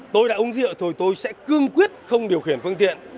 tôi đã uống rượu thôi tôi sẽ cương quyết không điều khiển phương tiện